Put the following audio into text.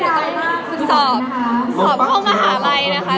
หนูต้องโฆบสอบสอบทรงมหาวรายนะคะ